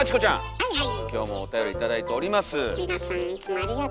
はいはい。